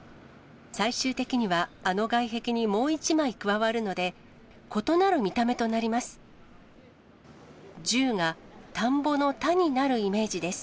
最終的にはあの外壁にもう１枚加わるので、異なる見た目となります。